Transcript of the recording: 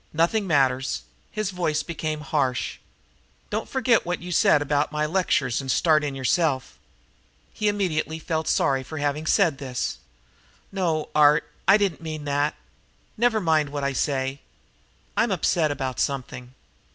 "Nothing matters." His voice became harsh. "Don't forget what you said about my lectures and start in yourself." He immediately felt sorry for having said this. "No, Art, I don't mean that. Never mind what I say. I'm upset about something."